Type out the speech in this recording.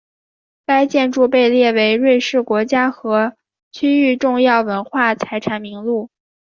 该建筑被列入瑞士国家和区域重要文化财产名录。